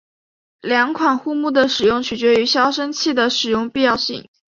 两款护木的使用取决于消声器的使用必要性。